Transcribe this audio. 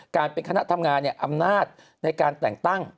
การเป็นคณะทำงานอำนาจในการแต่งตั้ง